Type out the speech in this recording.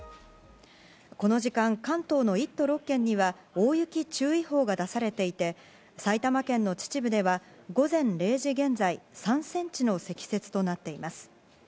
この時間、関東の１都６県には大雪注意報が出されていて埼玉県の秩父では午前０時現在３ｃｍの積雪となっています。